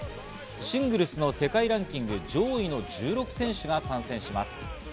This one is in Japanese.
シングルスの世界ランキング上位の１６選手が参戦します。